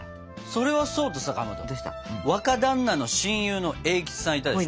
それはそうとさかまど若だんなの親友の栄吉さんいたでしょ？